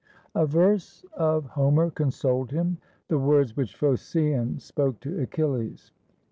A verse of Homer consoled him, — the words which Phocion spoke to Achilles.